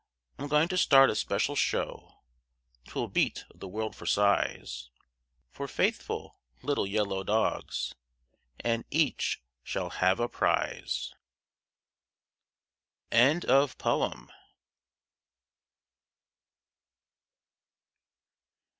I'm going to start a special show 'Twill beat the world for size For faithful little yellow dogs, and each shall have a prize. ANONYMOUS.